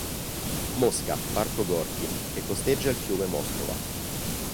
Mosca, parco Gorky che costeggia il fiume Moscova.